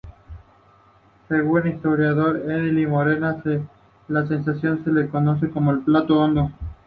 Según el historiador Emili Morera, da la sensación de encontrarse en plato hondo.